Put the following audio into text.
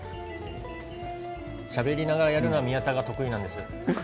しゃべりながらやるのは宮田が得意なんですよ。